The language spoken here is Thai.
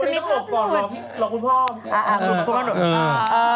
วันนี้ต้องหลบก่อนรอคุณพ่อ